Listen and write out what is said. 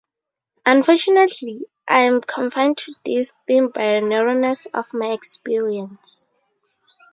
Unfortunately, I am confined to this theme by the narrowness of my experience.